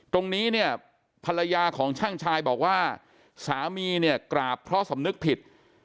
ตรงนี้เนี่ยภรรยาของช่างชายบอกว่าสามีเนี่ยกราบเพราะสำนึกผิด